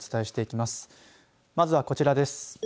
まずは、こちらです。